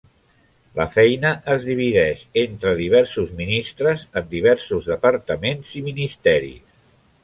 La feina es divideix entre diversos ministres en diversos departaments i ministeris.